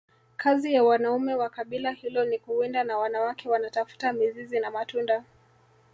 kazi ya Wanaume wa kabila hilo ni kuwinda na wanawake wanatafuta mizizi na matunda